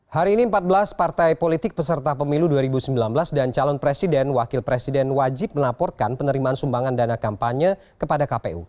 hari ini empat belas partai politik peserta pemilu dua ribu sembilan belas dan calon presiden wakil presiden wajib melaporkan penerimaan sumbangan dana kampanye kepada kpu